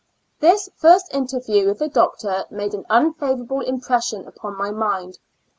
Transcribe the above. This first interview with the doctor made an unfavorable impression upon my mind.